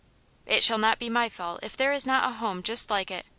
" It shall not be my fault if there is not a home just like it